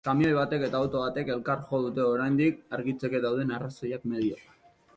Kamioi batek eta auto batek elkar jo dute oraindik argitzeke dauden arrazoiak medio.